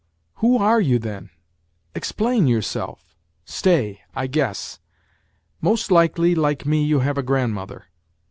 " Who are you then ? Explain yourself ! Stay, I guess : most likely, like me you have a grandmother.